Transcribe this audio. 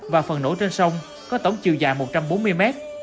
và phần nổ trên sông có tổng chiều dài một trăm bốn mươi mét